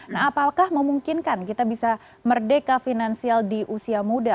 nah apakah memungkinkan kita bisa merdeka finansial di usia muda